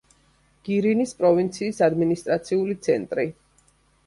გირინის პროვინციის ადმინისტრაციული ცენტრი.